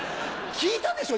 聞いたでしょ？